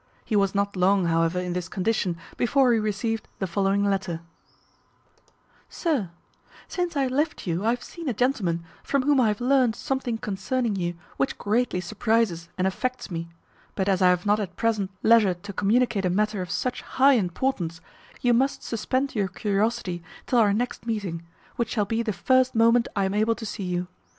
He was not long, however, in this condition before he received the following letter: "SIR, "Since I left you I have seen a gentleman, from whom I have learned something concerning you which greatly surprizes and affects me; but as I have not at present leisure to communicate a matter of such high importance, you must suspend your curiosity till our next meeting, which shall be the first moment I am able to see you.